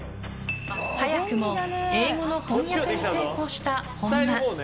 早くも英語の翻訳に成功した本間。